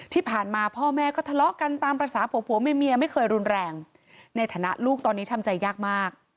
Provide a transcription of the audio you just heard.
ที่ผ่านมาพ่อแม่ก็ทะเลาะกันตามภาษาผัวผัวเมียไม่เคยรุนแรงในฐานะลูกตอนนี้ทำใจยากมาก